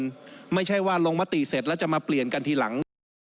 มันไม่ใช่ว่าลงมติเสร็จแล้วจะมาเปลี่ยนกันทีหลัง